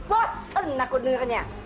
bosan aku dengernya